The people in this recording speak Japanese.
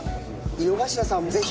井之頭さんもぜひ。